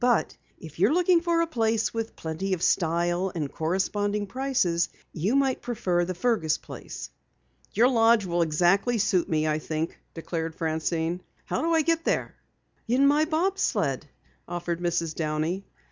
But if you're looking for a place with plenty of style and corresponding prices you might prefer the Fergus place." "Your lodge will exactly suit me, I think," declared Francine. "How do I get there?" "In my bob sled," offered Mrs. Downey.